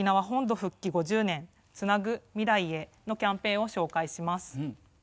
復帰５０年「つなぐ未来へ」のキャンペーンを紹介します。